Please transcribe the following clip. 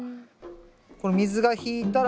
この水が引いたら。